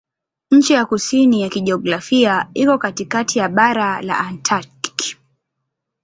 Ncha ya kusini ya kijiografia iko katikati ya bara la Antaktiki.